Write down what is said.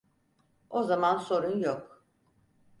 O zaman sorun yok.